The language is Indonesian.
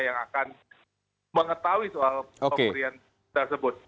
yang akan mengetahui soal pemberian tersebut